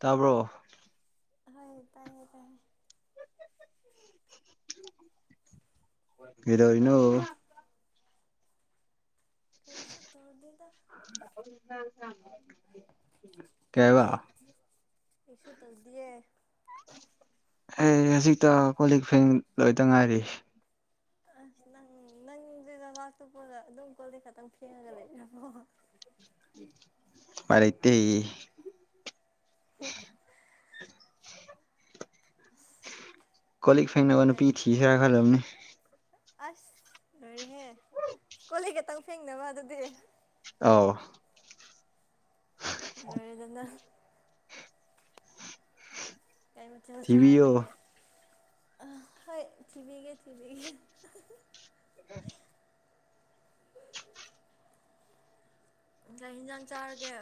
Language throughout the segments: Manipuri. ꯇꯥꯕ꯭ꯔꯣ ꯍꯣꯏ ꯇꯥꯏꯌꯦꯦ ꯇꯥꯏꯦ ꯀꯗꯣ ꯏꯅꯣ ꯀꯩꯁꯨ ꯇꯧꯗꯗ ꯀꯕ ꯏꯁꯨꯁꯨ ꯇꯗꯤꯦ ꯑꯩ ꯍꯧꯖꯤꯛꯇ ꯀꯣꯂꯤꯛ ꯐꯦꯟ ꯂꯣꯏꯇ ꯉꯥꯏꯔꯤ ꯅꯪ ꯅꯪꯗꯨꯗ ꯂꯥꯛꯇꯣꯛꯄꯗ ꯑꯗꯨꯝ ꯀꯣꯂ ꯈꯛꯇꯪ ꯊꯦꯡꯉꯒ ꯂꯩꯣ ꯃꯔꯇꯩ [unintelligible] ꯀꯣꯂꯤꯛ ꯐꯦꯡꯅꯕ ꯅꯨꯄꯤ ꯀꯩ ꯊꯤꯤꯁꯦꯔ ꯈꯜꯂꯕꯅꯤ ꯑꯁ ꯂꯣꯏꯔꯦꯍꯦ ꯀꯣꯂ ꯈꯛꯇꯪ ꯐꯦꯡꯅꯕ ꯑꯗꯨꯗꯤ ꯑ ꯑꯗꯨꯗꯅ ꯀꯩꯃ ꯆ ꯊꯤꯕꯤꯌꯣ ꯁꯥꯔꯒꯦ ꯑ ꯍꯣꯏ ꯊꯤꯃꯤꯒꯦ ꯊꯃꯤꯒ ꯎꯝ ꯏꯟꯖꯥꯡ ꯆꯥꯔꯒꯦ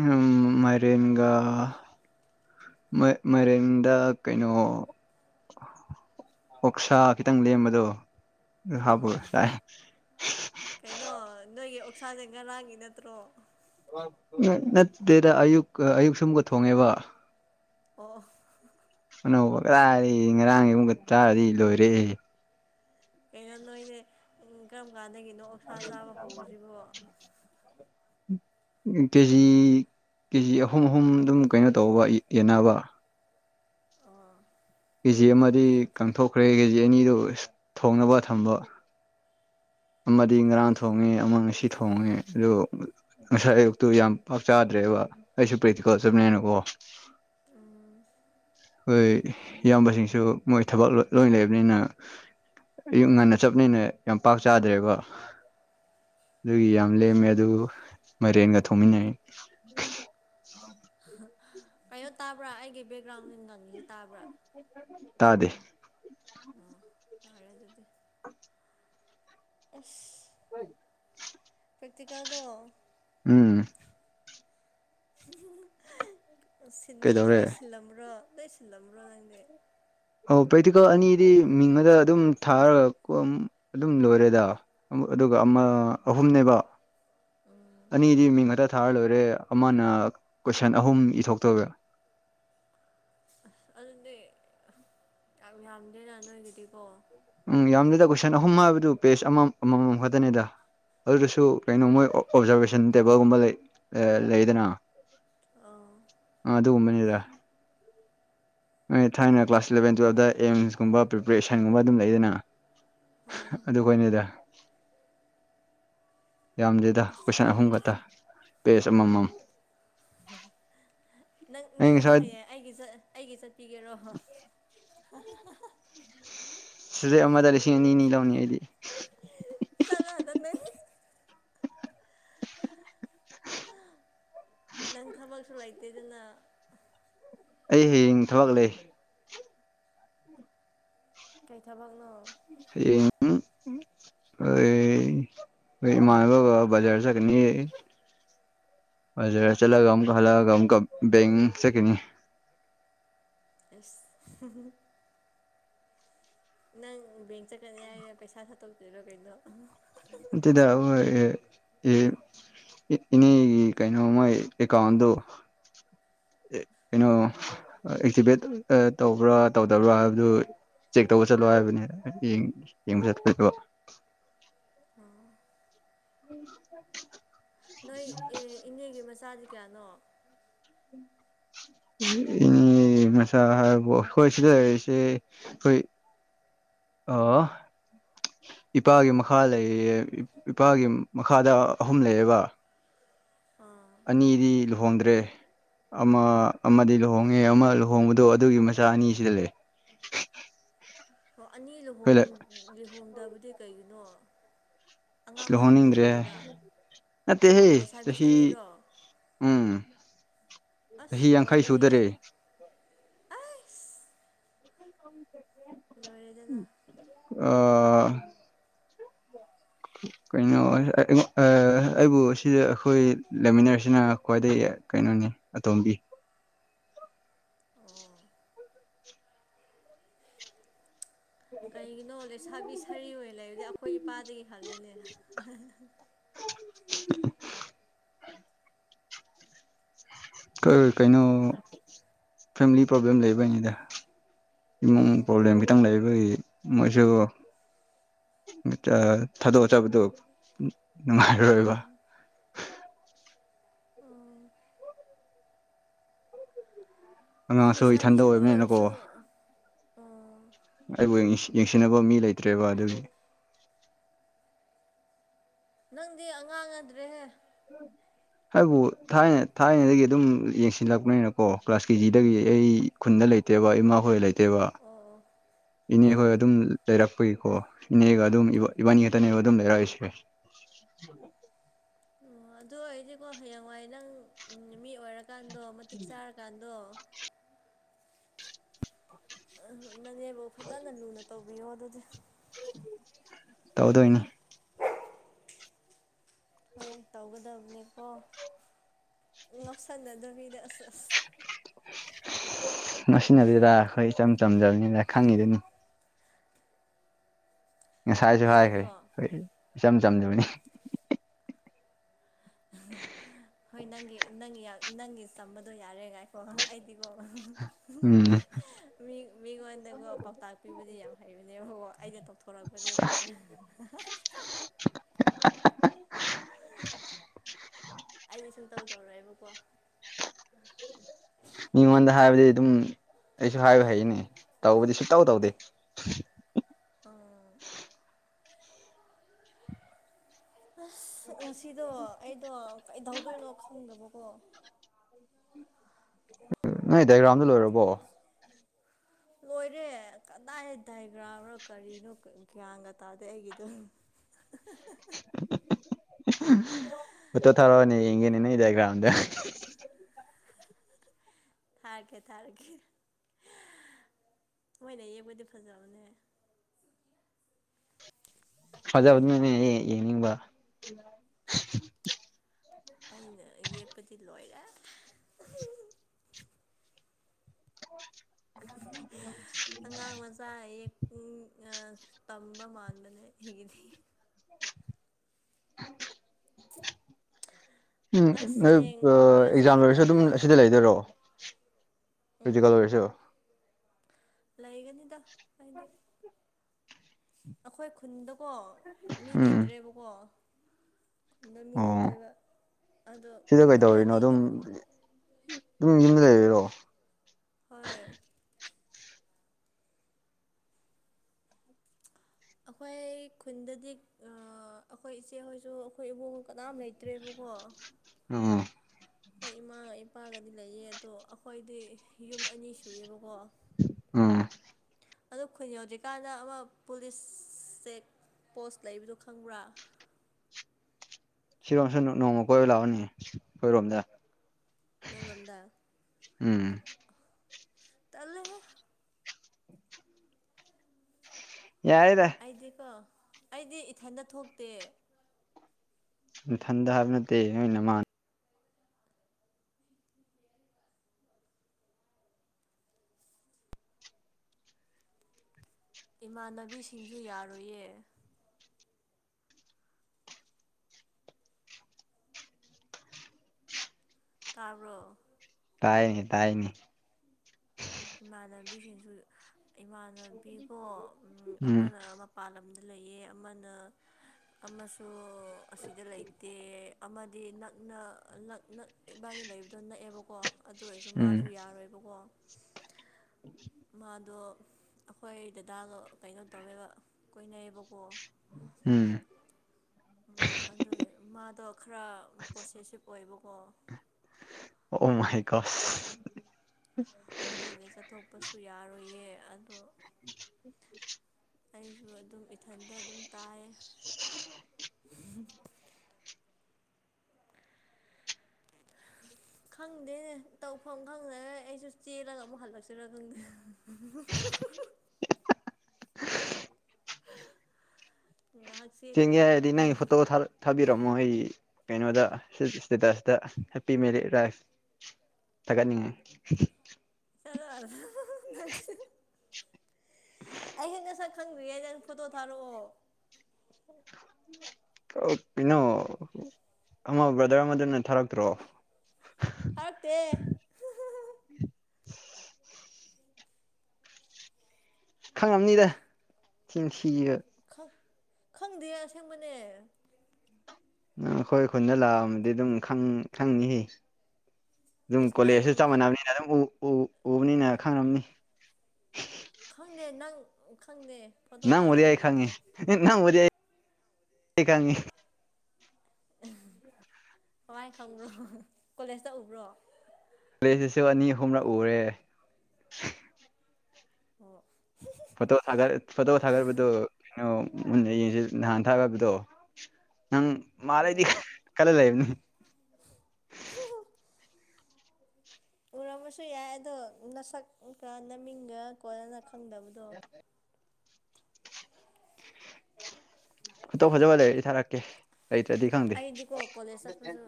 ꯎꯝ ꯃꯔꯤ ꯏꯒ ꯃꯔꯝꯗ ꯀꯩꯅꯣ ꯑꯣꯛꯁꯥ ꯈꯤꯇꯪ ꯂꯦꯝꯕꯗꯣ ꯑ ꯍꯥꯞꯄꯒ ꯆꯥꯏ ꯀꯩꯅꯅ ꯅ ꯄꯅꯨꯡꯁꯥꯁꯦ ꯉꯔꯥꯡꯒꯤ ꯅꯠꯇ꯭ꯔꯣ ꯅꯠꯇꯦꯗ ꯑꯌꯨꯛ ꯑꯌꯨꯛ ꯁꯨꯝꯒ ꯊꯣꯡꯉꯦꯕ ꯑꯣ ꯑꯅꯧꯕ ꯀꯥꯗꯤ ꯉꯔꯥꯡꯒꯤ ꯑꯃꯨꯛꯒ ꯇꯥꯗꯤ ꯂꯣꯏꯔꯦ ꯀꯩꯅꯣ ꯅꯣꯏꯅꯦꯦ ꯎ ꯀꯔꯝ ꯀꯥꯟꯗꯒꯤꯅꯣ ꯎꯁꯥ ꯆꯥꯕ ꯍꯧꯁꯤꯕꯣ ꯀꯦꯖꯤ ꯀꯦꯖꯤ ꯑꯍꯨꯝ ꯑꯍꯨꯝ ꯑꯗꯨꯝ ꯀꯩꯅꯣ ꯇꯧꯕ ꯌꯦꯟꯅꯕ ꯑꯣ ꯀꯦ ꯖꯤ ꯑꯃꯗꯤ ꯀꯊꯣꯛꯈ꯭ꯔꯦ ꯀꯦ ꯖꯤ ꯑꯅꯤꯗꯨ ꯊꯣꯡꯅꯕ ꯊꯝꯕ ꯑꯃꯗꯤ ꯉꯔꯥꯡ ꯊꯣꯡꯉꯦ ꯑꯃ ꯉꯁꯤ ꯊꯣꯡꯉꯦ ꯑꯗꯨ ꯉꯁꯥꯏ ꯑꯌꯨꯛꯇꯨ ꯌꯥꯝ ꯄꯥꯛ ꯆꯥꯗ꯭ꯔꯦ ꯕ ꯑꯩꯁꯨ ꯄ꯭ꯔꯤꯇꯤꯀꯣ ꯆꯕꯅꯦꯅꯀꯣ ꯎꯝ ꯑꯩꯈꯣꯏ ꯏꯌꯥꯝꯕꯁꯤꯡꯁꯨ ꯃꯣꯏ ꯊꯕꯛ ꯂꯣꯏ ꯂꯩꯕꯅꯤꯅ ꯑꯌꯨꯛ ꯉꯟꯅ ꯆꯞꯅꯤꯅ ꯌꯥꯝ ꯄꯥꯛ ꯆꯥꯗ꯭ꯔꯦꯀꯣ ꯑꯗꯨꯒꯤ ꯌꯥꯝ ꯂꯦꯝꯃꯦ ꯑꯗꯨ ꯃꯥꯏꯔꯦꯟꯒ ꯊꯣꯡꯃꯤꯟꯅꯩ ꯑꯌꯣ ꯇꯥꯕ꯭ꯔꯥ ꯑꯩꯒꯤ ꯕꯦꯛꯒ꯭ꯔꯥꯎꯟ ꯇꯥꯕ꯭ꯔꯥ ꯇꯥꯗꯦ ꯑꯣ ꯍꯔ ꯑꯗꯨꯗꯤ ꯑ ꯎꯐ ꯍꯣꯏ ꯀꯔꯇꯤꯀꯥꯗꯣ ꯎꯝ ꯁꯤꯟꯕ ꯀꯩꯗꯧꯔꯦ ꯂꯣꯏ ꯁꯤꯜꯂꯝꯕ꯭ꯔꯣ ꯁꯟ ꯂꯝꯝꯕ꯭ꯔꯣꯗꯗꯦ ꯑꯣ ꯄꯦꯇꯤꯀꯜ ꯑꯅꯤꯗꯤ ꯃꯤꯡꯉꯗ ꯑꯗꯨꯝ ꯊꯥꯔꯒ ꯀꯣ ꯑꯗꯨꯝ ꯂꯣꯏꯔꯦꯗ ꯑꯗꯨꯒ ꯑꯃ ꯑꯍꯨꯝꯅꯦꯕ ꯑꯅꯤꯗꯤ ꯃꯤꯡ ꯉ ꯁꯥꯔ ꯂꯣꯏꯔꯦ ꯑꯃꯅ ꯀꯣꯏꯁꯟ ꯑꯍꯨꯝ ꯏꯊꯣꯛꯇꯒꯦ ꯑꯁ ꯑꯗꯨꯗꯤ ꯌꯥꯝ ꯌꯥꯝꯗꯦꯅ ꯅꯣꯏꯒꯤꯗꯤꯀꯣ ꯎꯝ ꯌꯥꯝꯗꯦꯗ ꯀꯣꯏꯁꯟ ꯑꯍꯨꯝ ꯍꯥꯏꯕꯗꯨ ꯄꯦꯖ ꯑꯃ ꯑꯃꯃꯝ ꯈꯛꯇꯅꯦꯗ ꯑꯗꯨꯗꯁꯨ ꯀꯩꯅꯣ ꯃꯣꯏ ꯑꯣꯕꯖꯥꯔꯔꯕꯦꯁꯟ ꯇꯦꯕꯜꯒꯨꯝꯕ ꯂꯩ ꯂꯩꯗꯅ ꯑꯥ ꯑ ꯑꯗꯨꯒꯨꯝꯕꯅꯤꯗ ꯍꯣꯏ ꯊꯥꯏꯅ ꯀ꯭ꯂꯥꯁ ꯏꯂꯚꯦꯟ ꯇꯨꯋꯜꯕꯇ ꯑꯦꯝꯁꯀꯨꯝꯕ ꯄ꯭ꯔꯤꯄꯦꯔꯦꯁꯟꯒꯨꯝꯕ ꯑꯗꯨꯝ ꯂꯩꯗꯅ ꯍꯣꯏ ꯍꯣꯏ ꯑꯗꯨ ꯀꯣꯏꯅꯦꯗ ꯌꯥꯝꯗꯦꯗ ꯑꯁ ꯀꯣꯏꯁꯟ ꯑꯍꯨꯝ ꯈꯛꯇ ꯄꯦꯖ ꯑꯃꯃꯝ ꯅꯪ ꯑꯩ ꯅꯪꯁꯨ ꯉꯁꯥꯏ ꯍꯌꯦ ꯑꯩꯒꯤ ꯑꯩꯒꯤ ꯆꯠꯄꯤꯒꯦꯔꯣ [unintelligible] ꯁꯤꯗꯦ ꯑꯃꯗ ꯂꯤꯁꯤꯡ ꯑꯅꯤꯅꯤ ꯂꯧꯅꯤ ꯑꯩꯗꯤ ꯒ ꯑꯗꯨꯗꯟꯅ [unintelligible] ꯅꯪ ꯊꯕꯛ ꯁ ꯂꯩꯇꯦꯗꯅ ꯑꯩ ꯍꯌꯦꯡ ꯊꯕꯛ ꯂꯩ ꯀꯩ ꯊꯕꯛꯅꯣ ꯍ ꯑ ꯑꯩꯃꯥꯡꯕ ꯖꯔ ꯁꯅꯤ ꯖ ꯆꯂꯒ ꯍꯂꯒ ꯕ ꯁꯦꯀ ꯑꯁ ꯅꯪꯦꯡ ꯆꯠꯀꯅꯤ ꯍꯥꯏꯅ ꯄꯩꯁꯥ ꯊꯠꯇꯣꯛꯗꯣꯏꯔꯣ ꯀꯩꯅꯣ ꯃꯗ ꯏꯅꯦ ꯀꯩꯅꯣꯃ ꯀꯗ ꯀꯩꯅꯣ ꯑꯦꯛꯁꯤꯚꯦꯠ ꯇꯧꯕ꯭ꯔꯥ ꯇꯧꯗꯕ꯭ꯔꯥ ꯍꯥꯏꯕꯗꯨ ꯆꯦꯛ ꯇꯧꯕ ꯆꯠꯂꯣ ꯍꯥꯏꯕꯅꯤ ꯌꯦꯡꯕ ꯆꯠꯄꯗꯣ ꯎꯝ ꯅꯣꯏ ꯏꯅꯦꯒꯤ ꯃꯆꯥꯗꯤ ꯀꯌꯥꯅꯣ [unintelligible] ꯏꯅꯦ ꯃꯆꯥꯥ ꯍꯥꯏꯕ ꯑꯩꯈꯣꯏ ꯁꯤꯗꯁꯦ ꯑꯩꯈꯣꯏ ꯑ ꯏꯄꯥꯒꯤ ꯃꯈꯥ ꯂꯩꯌꯦ ꯏꯄꯥꯒꯤ ꯃꯈꯥꯗ ꯑꯍꯨꯝ ꯂꯩꯌꯦꯕ ꯑꯥ ꯑꯅꯤꯗꯤ ꯂꯨꯍꯣꯡꯗ꯭ꯔꯦ ꯑꯃ ꯑꯃꯗꯤ ꯂꯨꯍꯣꯡꯉꯦ ꯑꯃ ꯂꯨꯍꯣꯡꯕꯗꯣ ꯑꯗꯨꯒꯤ ꯃꯆꯥ ꯑꯅꯤꯁꯤꯗ ꯂꯩ [unintelligible] ꯍ ꯑꯅꯤ ꯂꯨꯍ ꯑꯩꯈꯣꯏ ꯂꯨꯍꯣꯡꯗꯕꯗꯤ ꯀꯩꯒꯤꯅꯣ ꯑꯉꯥꯡ ꯑꯣꯏ ꯑꯣꯏꯕꯒꯤꯔ ꯑꯠꯇꯍꯦ ꯆꯍꯤ ꯂꯩꯁꯥꯕꯤ ꯆꯍꯤ ꯁꯥꯔꯤꯔꯣ ꯎꯝ ꯆꯍꯤ ꯑꯁ ꯌꯥꯡꯈꯩ ꯁꯨꯗꯔꯦ ꯂꯣꯏꯔꯦꯍꯦ ꯑꯩꯁ ꯎ ꯂꯣꯏꯔꯦꯗꯅ ꯑ ꯀꯩꯅꯣ ꯑꯩꯕꯨ ꯁꯤꯗ ꯑꯩꯈꯣꯏ ꯂꯩꯃꯤꯟꯅꯔꯤꯁꯤꯅ ꯈ꯭ꯋꯥꯏꯗꯒꯤ ꯀꯩꯅꯣꯅꯤ ꯑꯇꯣꯝꯕꯤ ꯑꯣ ꯀꯩꯒꯤꯅꯣ ꯂꯩꯁꯥꯕꯤ ꯁꯥꯔꯤ ꯑꯣꯏꯅ ꯂꯩꯕꯗꯤ ꯄꯥꯗ ꯈꯥ ꯂꯂ [unintelligible] ꯀꯩꯅꯣ ꯐꯦꯃꯤꯂꯤ ꯄ꯭ꯔꯣꯕ꯭ꯂꯦꯝ ꯂꯩꯕꯩꯅꯤꯗ ꯏꯃꯨꯡ ꯑꯣ ꯄ꯭ꯔꯣꯕ꯭ꯂꯦꯝ ꯈꯤꯇꯪ ꯂꯩꯕ ꯃꯣꯏꯁꯨ ꯊꯥꯗꯣꯛꯑꯆꯕꯗꯨꯣ ꯅꯨꯡꯉꯥꯏꯔꯔꯣꯏꯕ [unintelligible] ꯎꯝ ꯎꯝ ꯑꯉꯥꯡꯁꯨ ꯏꯊꯟꯗ ꯑꯣꯏꯕꯅꯤꯅꯀꯣ ꯑꯥ ꯑꯩꯕꯨ ꯌꯦꯡꯁꯤꯟꯅꯕ ꯃꯤ ꯂꯩꯇ꯭ꯔꯦꯕ ꯑꯗꯨꯒꯤ ꯅꯪꯗꯤ ꯑꯉꯥꯡꯅꯗ꯭ꯔꯦꯍꯦ ꯍꯥꯏꯕꯨ ꯊꯥꯏꯅ ꯊꯥꯏꯅꯗꯒꯤ ꯑꯗꯨꯝ ꯌꯦꯡꯁꯤꯜꯂꯛꯄꯅꯤꯅꯀꯣ ꯀ꯭ꯂꯥꯁ ꯀꯦꯖꯤꯗꯒꯤ ꯑꯩ ꯈꯨꯟꯗ ꯂꯩ ꯦꯕ ꯏꯃꯥ ꯍꯣꯏ ꯂꯩꯇꯦ ꯅꯠꯇꯦꯕ ꯑꯣ ꯏꯅꯦ ꯑꯣ ꯍꯣꯏ ꯑꯣ ꯑꯗꯨꯝ ꯂꯩꯔꯛꯄꯒꯤꯀꯣ ꯏꯅꯦꯒ ꯑꯗꯨꯝ ꯏꯕꯥꯅꯤꯇꯅꯤ ꯑꯗꯨꯝ ꯂꯩꯔꯣꯏꯁꯤ ꯑꯣ ꯑꯗꯨ ꯑꯣꯏꯗꯤꯀꯣ ꯍꯌꯦꯡꯋꯥꯏ ꯅꯪ ꯎ ꯃꯤ ꯑꯣꯏꯔꯀꯥꯟꯗꯣ ꯃꯇꯤꯛ ꯆꯥꯔꯀꯥꯟꯗꯣ ꯑꯝ ꯅꯪꯅꯦꯕꯨ ꯐꯖꯅ ꯂꯨꯅ ꯇꯧꯕꯤꯌꯣ ꯑꯗꯨꯗꯤ ꯇꯧꯗꯧꯏꯅ ꯍꯣꯏ ꯇꯧꯒꯗꯕ ꯅꯤꯀꯣ ꯉꯧꯁꯟꯅꯗꯕꯤꯗ ꯑꯁ ꯑꯁ ꯃꯁꯤꯅꯕꯤꯗ ꯑꯩꯈꯣꯏ ꯏꯆꯝ ꯆꯝꯖꯕꯅꯤꯅ ꯈꯪꯉꯤꯗꯅꯤ ꯉꯁꯥꯏꯁꯨ ꯍꯥꯏꯈ꯭ꯔꯦ ꯑꯩꯗꯤꯀꯣ ꯑꯩꯣꯏ ꯏꯆꯝ ꯆꯝꯗꯨꯕꯅꯤ ꯍꯣꯏ ꯅꯪꯒꯤ ꯅꯪꯒꯤ ꯅꯪꯒꯤ ꯇꯝꯕꯗꯣ ꯌꯥꯔꯦꯒꯥꯏ ꯑꯣ ꯑꯩꯗꯤꯀꯣ ꯎꯝ ꯃꯤ ꯃꯤꯉꯣꯟꯗꯀꯣ ꯄꯥꯎꯇꯥꯛ ꯄꯤꯕꯨꯗꯤ ꯌꯥꯝ ꯍꯩ ꯅꯦ ꯍ ꯑꯩꯅ ꯇꯧꯊꯣꯔꯛꯄꯅꯦ ꯑꯗꯨꯃꯥꯏꯅ [unintelligible] [unintelligible] ꯑꯩꯗꯤ ꯁꯨꯝ ꯇꯧꯗꯧꯔꯦꯕꯀꯣ ꯃꯤꯉꯣꯟꯗ ꯍꯥꯏꯕꯗꯤ ꯑꯗꯨꯝ ꯑꯩꯁꯨ ꯍꯥꯏꯌ ꯍꯥꯏꯅꯦ ꯇꯧꯕꯗꯤ ꯁꯨꯇꯧ ꯇꯧꯗꯦ ꯎ ꯑꯁ ꯉꯁꯤꯗꯣ ꯑꯩꯗꯣ ꯀꯩꯗꯧꯗꯣꯏꯅꯣ ꯈꯪꯗꯕꯀꯣ ꯅꯣꯏ ꯗꯥꯏꯒ꯭ꯔꯥꯝꯗ ꯂꯣꯏꯔꯕꯣ ꯂꯣꯏꯔꯦ ꯀꯗꯥꯏ ꯗꯥꯏꯒ꯭ꯔꯥꯝꯅꯣ ꯀꯔꯤꯅꯣ ꯒ꯭ꯌꯥꯟꯒ ꯇꯥꯗꯦ ꯑꯩꯒꯤꯗ [unintelligible] ꯎꯛꯇ ꯊꯔꯣꯅꯤ ꯏꯒꯦꯅꯤ ꯅꯗꯒ꯭ꯔꯗ ꯊꯥꯔꯀꯦ ꯊꯥꯔꯀꯦ ꯃꯣꯏꯅ ꯌꯦꯛꯕꯨꯗꯤ ꯐꯖꯕꯅꯦ ꯐꯖ ꯑꯗꯨꯅꯦ ꯌꯦꯡꯅꯤꯡꯕ ꯑꯩꯅ ꯌꯦꯛꯄꯗꯤ ꯂꯣꯏꯔꯦ ꯑꯣ ꯑꯉꯥꯡ ꯃꯆꯥ ꯑꯌꯦꯛ ꯇꯝꯕ ꯃꯥꯥꯟꯕꯗꯅꯦ ꯍꯤꯡꯒꯅꯤ [unintelligible] ꯎꯝ ꯑꯁ ꯅꯣꯏ ꯍꯌꯦꯡ ꯏꯕ ꯌꯥ ꯑꯦꯛꯖꯥꯝ ꯆꯠꯄ ꯂꯣꯏꯔꯁꯨ ꯑꯗꯨꯝ ꯇꯜꯂꯦ ꯑꯁꯤꯗ ꯂꯩꯗꯣꯏꯔꯣꯑꯣ ꯔꯖꯤꯀꯂ ꯎꯝ ꯑꯣꯏꯁ ꯂꯩꯒꯅꯤꯗ ꯍꯥꯏꯗꯤ ꯑꯩꯈꯣꯏ ꯈꯨꯟꯗꯀꯣ ꯃꯤ ꯎꯝ ꯂꯩꯇ꯭ꯔꯦꯕꯀꯣ ꯈꯨꯟꯗ ꯃꯤ ꯑꯣ ꯂꯩꯇꯦꯕ ꯑꯗꯣ ꯑꯩꯈꯣꯏꯗꯤ ꯌꯨꯝ ꯌ ꯂꯩꯔꯔꯣ ꯍꯣꯏ ꯑꯩꯈꯣꯏ ꯈꯨꯟꯗꯗꯤ ꯑꯩꯈꯣꯏ ꯏꯆꯦꯍꯣꯏꯁꯨ ꯑꯩꯈꯣꯏ ꯏꯕꯨꯡ ꯀꯅꯥꯝ ꯂꯩꯇ꯭ꯔꯦꯕ [unintelligible] ꯑꯥ ꯍꯣꯏ ꯏꯃꯥꯒ ꯏꯄꯥꯒꯗꯤ ꯂꯩꯌꯦ ꯑꯗꯣ ꯑꯩꯈꯣꯏꯗꯤ ꯌꯨꯝ ꯑꯅꯤ ꯁꯨꯑꯕꯀꯣ ꯑꯥ ꯑꯣ ꯈꯨꯟ ꯌꯧꯗ꯭ꯔꯤꯀꯥꯟꯗ ꯑꯃ ꯄꯨꯂꯤꯁꯁꯦꯛ ꯄꯣꯁ ꯂꯩꯕꯗꯣ ꯈꯪꯕ꯭ꯔꯥ ꯁꯤꯔꯣꯝꯁꯨ ꯅꯣꯡꯃ ꯀꯣꯏꯕ ꯂꯥꯛꯑꯣꯅꯤ ꯑꯩꯈꯣꯏꯔꯣꯝꯗ ꯅꯔꯣꯝꯗ ꯎꯝ ꯇꯂꯦ ꯌꯥꯔꯦꯗ ꯑꯩꯗꯤꯀꯣ ꯑꯩꯗꯤ ꯏꯊꯟꯗ ꯊꯣꯛꯇꯦ ꯏꯊꯟꯗ ꯍꯥꯏꯕ ꯅꯠꯇꯦꯅ ꯃꯥꯜꯂꯤ ꯏꯃꯥꯟꯅꯕꯤꯁꯤꯡꯁꯨ ꯌꯥꯔꯣꯏꯌꯦ ꯇꯥꯔꯣ ꯇꯥꯏꯅꯤ ꯇꯥꯏꯅꯤ ꯏꯃꯥꯟꯅꯕꯤꯁꯤꯡꯁꯨ ꯏꯃꯥꯟꯅꯕꯤꯀꯣ ꯎꯝ ꯑꯃꯅ ꯃꯄꯥꯟ ꯂꯝ ꯂꯩꯑ ꯑꯃꯅ ꯑꯃꯁꯨ ꯑꯁꯤꯗ ꯂꯩꯇꯦ ꯍꯥꯏꯗꯤ ꯅꯛꯅ ꯏꯕꯥꯅꯤ ꯂꯩꯕꯗꯣ ꯅꯛꯑꯦꯕꯀꯣ ꯑꯗꯨ ꯑꯣꯏꯔꯁꯨ ꯎꯝ ꯃꯥꯁꯨ ꯌꯥꯔꯣꯏꯕꯀꯣ ꯃꯥꯗꯣ ꯑꯩꯈꯣꯏ ꯗꯗꯥꯒ ꯀꯩꯅꯣ ꯇꯧꯋꯦꯕ ꯀꯣꯏꯅꯩꯌꯦꯕꯀꯣ ꯎꯝ ꯎꯝ ꯑꯗꯨ ꯃꯥꯗꯣ ꯈꯔ ꯄꯣꯁꯦꯁꯤꯞ ꯑꯣꯏꯕꯀꯣ ꯑꯣ ꯃꯥꯏꯀ ꯑꯗꯨꯒ ꯆꯠꯊꯣꯛꯄꯁꯨ ꯌꯥꯔꯣꯏꯌꯦ ꯑꯣ [unintelligible] ꯑꯩꯁꯨ ꯑꯗꯨꯝ ꯏꯊꯟꯗ ꯑꯗꯨꯝ ꯇꯥꯏꯌꯦ [unintelligible] [unintelligible] ꯈꯪꯗꯦꯅꯦ ꯇꯧꯐꯝ ꯈꯪꯗꯦ ꯑꯩꯁꯨ ꯆꯦꯜꯂꯒ ꯑꯃꯨꯛ ꯍꯜꯂꯛꯁꯤꯔ ꯈꯪꯗꯦ [unintelligible] ꯉꯥꯏꯍꯥꯛ ꯆꯦꯡꯒꯦ ꯆꯦꯜꯂꯨꯔꯁꯤꯔ ꯍꯥꯏꯔꯗꯤ ꯅꯪ ꯐꯣꯇꯣ ꯊꯥꯕꯤꯔꯝꯃꯣ ꯑꯩ ꯀꯩꯅꯣꯗ ꯁꯇꯇ ꯍꯄꯤ ꯇꯒꯠꯅꯤꯡꯉ ꯆꯪ ꯑꯩ ꯍꯦꯟꯅ ꯁꯛ ꯈꯪꯗ꯭ꯔꯤꯌꯦꯅ ꯐꯣꯇꯣ ꯊꯥꯔꯛꯑꯣ ꯀꯩꯅꯣ ꯑꯃ ꯕ꯭ꯔꯗꯔ ꯑꯃꯗꯅ ꯊꯥꯔꯛꯇ꯭ꯔꯣ ꯐꯔꯠꯇꯦ ꯈꯪꯉꯝꯅꯤꯗ ꯊꯤꯟꯁꯤꯕ ꯈꯪꯗꯦ ꯌꯥ ꯁꯦꯡꯕ ꯑꯩꯈꯣꯏ ꯈꯨꯟꯗ ꯂꯥꯛꯑꯃꯗꯤ ꯑꯗꯨꯝ ꯈꯪꯉ ꯑꯗꯨꯨꯝ ꯑꯁ ꯅꯪ ꯀꯣꯂꯦꯖꯁꯨ ꯆꯞ ꯃꯥꯟꯅꯕꯅꯤꯅ ꯑꯗꯨꯝ ꯎꯕꯅꯤꯅ ꯈꯪꯝꯅꯤ ꯎ ꯈꯪꯅꯦꯦ ꯅꯪ ꯃꯌꯥꯏ ꯈꯥꯉꯦ ꯅꯪ ꯑꯣꯥꯉꯦ ꯎ ꯍꯋꯥꯏ ꯈꯪꯕ꯭ꯔꯣ ꯀꯣꯂꯦꯖꯇ ꯎꯕ꯭ꯔꯣ ꯁꯤꯁꯤꯁꯨ ꯑꯅꯤ ꯑꯍꯨꯝꯂꯛ ꯎꯔꯦ ꯑꯣ ꯐꯣꯇꯣ ꯁꯥꯒꯔ ꯐꯣꯇꯣ ꯁꯥꯒꯔꯕꯗꯨꯩꯅ ꯃꯨꯟꯅ ꯌꯦꯡꯁꯦ ꯅꯍꯥꯟ ꯊꯥ ꯍꯥꯏꯕꯗꯣ ꯅꯪ ꯃꯥ ꯑꯣ ꯂꯩꯩꯗꯤ ꯀꯟꯅ ꯂꯩꯕꯅꯤ [unintelligible] ꯎꯔꯝꯃꯁꯨ ꯌꯥꯏ ꯑꯗꯣ ꯅꯁꯛꯀ ꯅꯃꯤꯡꯒ ꯀꯣꯟꯂꯅ ꯐꯪꯗꯕꯗꯣ ꯐꯇꯧ ꯐꯖꯕ ꯂꯩꯔꯛꯗꯤ ꯊꯥꯔꯛꯀꯦ ꯂꯩꯇ꯭ꯔꯗꯤ ꯈꯪꯗꯦ ꯑꯩꯗꯤꯀꯣ ꯀꯣꯂꯦꯖ ꯆꯠꯄꯁꯨ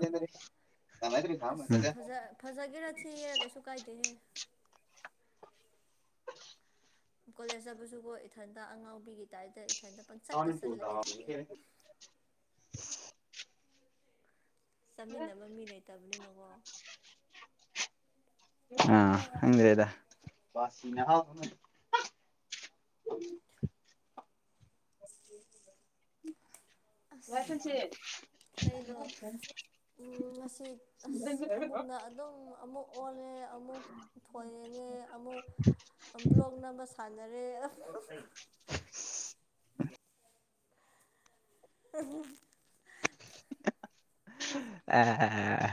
ꯑꯁ ꯐꯖ ꯐꯖꯒꯦꯔ ꯊꯤꯒꯦꯔꯥ ꯀꯩꯁꯨ ꯀꯥꯏꯗꯦꯍꯦ [unintelligible] ꯀꯣꯂꯦꯖꯇꯕꯨꯁꯨꯕꯣ ꯏꯊꯟꯇ ꯑꯉꯥꯎꯕꯤꯒꯤ ꯇꯥꯏꯞꯇ ꯍꯥꯏꯅ ꯄꯪ ꯆꯠꯇ ꯆꯠꯂꯦꯗꯤ ꯆꯠꯃꯤꯟꯅꯕ ꯃꯤ ꯂꯩꯇꯕꯅꯤꯅꯀꯣ ꯑꯥ꯭ꯔꯦꯗ ꯎ ꯑꯁ ꯋꯥꯁꯤꯦ ꯎ ꯉꯁꯤ ꯑꯁ ꯐꯃꯨꯡꯗ ꯑꯗꯨꯝ ꯑꯃꯨꯛ ꯑꯣꯜꯂꯦ ꯑꯃꯨꯛ ꯊꯣꯏꯡꯉꯦ ꯑꯃꯨꯛ ꯕ꯭ꯂꯣꯛ ꯅꯝꯕ ꯁꯥꯟꯅꯔꯦ [unintelligible] ꯑ ꯑꯦ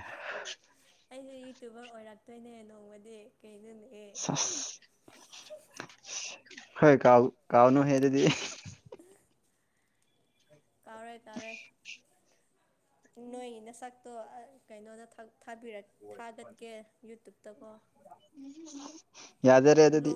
ꯑꯩꯁꯨꯦ ꯌꯨꯇꯨꯕꯔ ꯑꯣꯏꯔꯛꯇꯣꯏꯅꯦ ꯅꯣꯡꯃꯗꯤ ꯀꯩꯅꯣꯅꯦꯍꯦ ꯁ ꯍꯣꯏ ꯀꯥꯎ ꯀꯥꯎꯅ ꯍꯦ ꯑꯗꯨꯗꯤ ꯎꯝ ꯀꯥꯎꯔꯦ ꯇꯥꯎꯔꯦ ꯅꯣꯏꯒꯤꯅ ꯁꯛꯇꯣ ꯀꯩꯅꯣꯗ ꯊꯥꯕꯤꯔꯛ ꯊꯥꯒꯠꯀꯦ ꯌꯨꯇꯨꯨꯞꯇꯀꯣ ꯌꯥꯗꯔꯦ ꯑꯗꯗꯤ